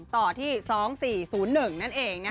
๐๒๑๒๗๑๐๐๐ต่อที่๒๔๐๑นั่นเองนะคะ